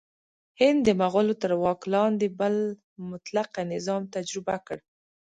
هند د مغولو تر واک لاندې بل مطلقه نظام تجربه کړ.